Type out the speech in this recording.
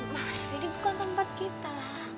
mas ini bukan tempat kita